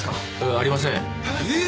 ありませんえぇ！